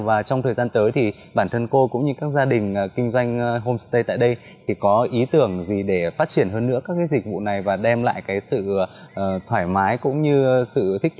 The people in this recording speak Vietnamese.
và trong thời gian tới thì bản thân cô cũng như các gia đình kinh doanh homestay tại đây thì có ý tưởng gì để phát triển hơn nữa các dịch vụ này và đem lại sự thoải mái